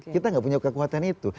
kita nggak punya kekuatan itu